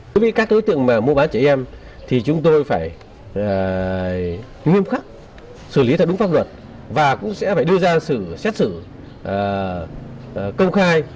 đối với các đối tượng mua bán trẻ em thì chúng tôi phải nghiêm khắc xử lý theo đúng pháp luật và cũng sẽ phải đưa ra xử xét xử công khai